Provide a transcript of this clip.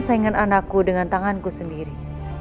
saingan anakku dengan tanganku sendiri